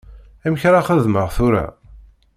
Amek ara xedmeɣ tura?